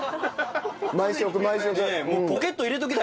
毎食毎食。